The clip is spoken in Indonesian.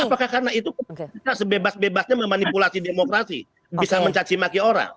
apakah karena itu kita sebebas bebasnya memanipulasi demokrasi bisa mencacimaki orang